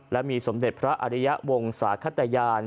และมีคือสมเด็จพระอาวิฤะวงศาษย์ข้าวแตยาล